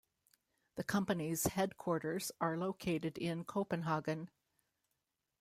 The company's headquarters are located in Copenhagen.